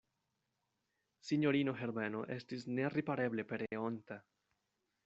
Sinjorino Herbeno estis neripareble pereonta.